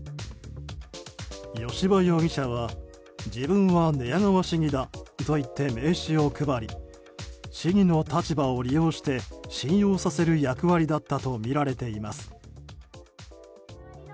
吉羽容疑者は自分は寝屋川市議だと言って名刺を配り市議の立場を利用して信用させる役割だったとみられています。